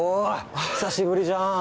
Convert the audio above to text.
久しぶりじゃん。